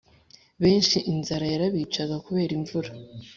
Benshi inzara yarabicaga kubera imvura.